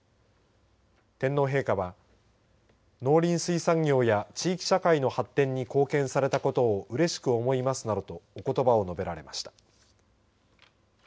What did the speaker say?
天皇陛下は農林水産業や地域社会の発展に貢献されたことをうれしく思いますなどとおことばを述べられました。